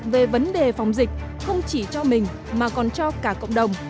về vấn đề phòng dịch không chỉ cho mình mà còn cho cả cộng đồng